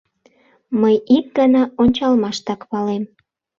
Мый ик гана ончалмаштак палем.